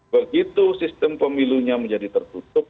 begitu sistem pemilunya menjadi tertutup